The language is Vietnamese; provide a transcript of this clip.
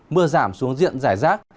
mưa giảm xuống diện giải rác